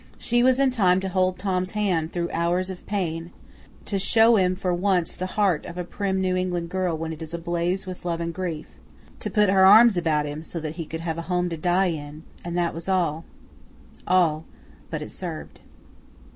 She was in time to hold Tom's hand through hours of pain; to show him for once the heart of a prim New England girl when it is ablaze with love and grief; to put her arms about him so that he could have a home to die in, and that was all; all, but it served.